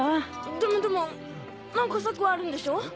でもでも何か策はあるんでしょ？